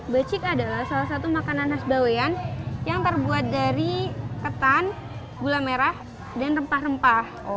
becik adalah salah satu makanan khas bawean yang terbuat dari ketan gula merah dan rempah rempah